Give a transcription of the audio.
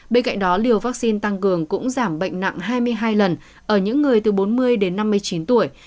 bên cạnh đó liều vaccine tăng cường cũng giảm bệnh nặng hai mươi hai lần ở những người từ bốn mươi đến năm mươi chín tuổi